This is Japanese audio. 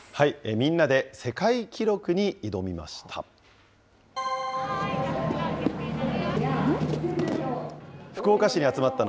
みんなで世界記録に挑みました。